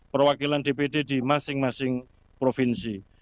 perwakilan dpd di masing masing provinsi